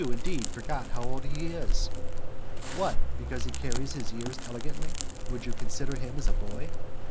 87 indeed, forgot how old he is? What, because he carries his years elegantly, would you always consider him as a boy